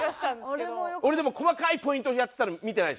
俺でも細かいポイントやってたの見てないでしょ？